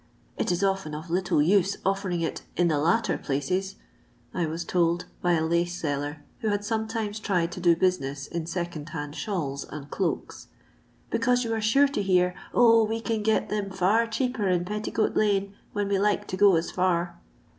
" It is often of little use offer ing it in the latter places, I was told by a lace seller who had sometimes tried to do business in second hand shawls and cloaks, " because you are sure to hear, ' Oh, we can get them far cheaper in Petticoat lane, when we like to go as far.